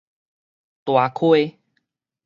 大溪